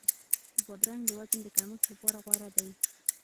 بادرنګ د وزن د کمښت لپاره غوره دی.